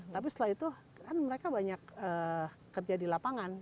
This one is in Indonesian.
tapi setelah itu kan mereka banyak kerja di lapangan